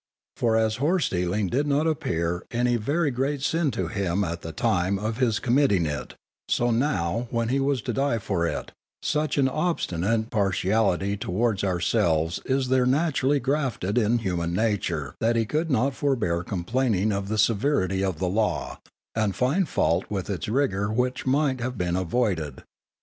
For as horse stealing did not appear any very great sin to him at the time of his committing it, so now, when he was to die for it, such an obstinate partiality towards ourselves is there naturally grafted in human nature that he could not forbear complaining of the severity of the Law, and find fault with its rigour which might have been avoided.